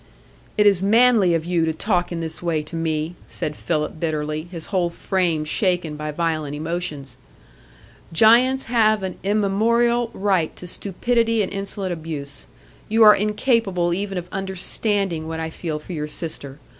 "It is manly of you to talk in this way to me," said Philip, bitterly, his whole frame shaken by violent emotions. "Giants have an immemorial right to stupidity and insolent abuse. You are incapable even of understanding what I feel for your sister.